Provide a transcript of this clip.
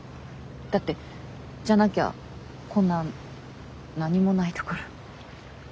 だってじゃなきゃこんな何もない所。